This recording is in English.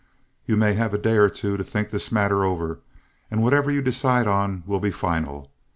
You may have a day or two to think this matter over, and whatever you decide on will be final.